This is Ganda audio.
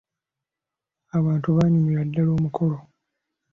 Abantu baanyumirwa ddala omukolo.